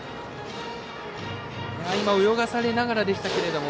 今、泳がされながらでしたが。